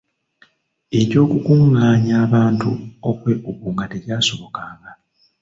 Eky’okukuղղaanya abantu okwegugunga tekyasobokanga.